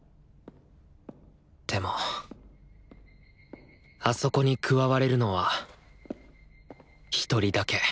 でもあそこに加われるのは「１人だけ」